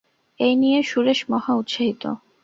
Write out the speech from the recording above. এই নিয়ে সুরেশ মহা উৎসাহিত।